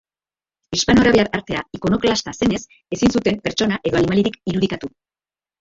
Hispano-arabiar artea ikonoklasta zenez, ezin zuten pertsona edo animaliarik irudikatu.